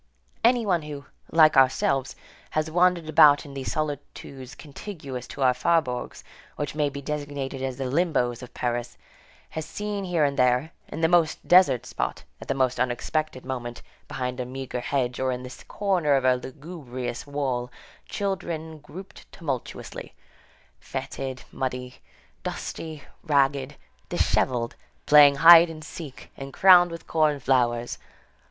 Any one who, like ourselves, has wandered about in these solitudes contiguous to our faubourgs, which may be designated as the limbos of Paris, has seen here and there, in the most desert spot, at the most unexpected moment, behind a meagre hedge, or in the corner of a lugubrious wall, children grouped tumultuously, fetid, muddy, dusty, ragged, dishevelled, playing hide and seek, and crowned with corn flowers.